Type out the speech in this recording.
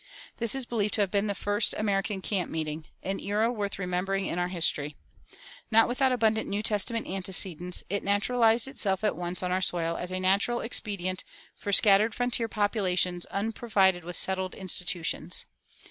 This is believed to have been the first American camp meeting an era worth remembering in our history. Not without abundant New Testament antecedents, it naturalized itself at once on our soil as a natural expedient for scattered frontier populations unprovided with settled institutions.